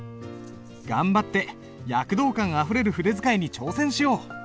頑張って躍動感あふれる筆使いに挑戦しよう。